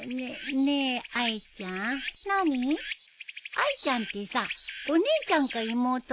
あいちゃんってさお姉ちゃんか妹っている？